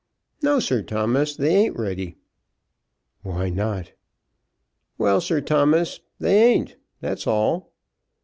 "No, Sir Thomas. They ain't ready." "Why not?" "Well, Sir Thomas; they ain't; that's all."